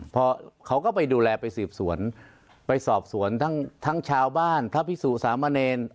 พอเขาก็ไปดูแลไปสืบสวนไปสอบสวนทั้งชาวบ้านพระพิสุสามเณร